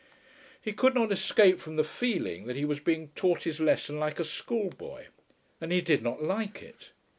He could not escape from the feeling that he was being taught his lesson like a school boy, and he did not like it.